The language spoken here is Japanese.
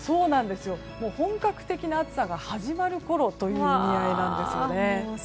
本格的な暑さが始まるころという意味合いなんですね。